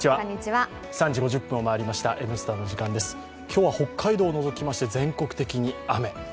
今日は北海道を除きまして全国的に雨。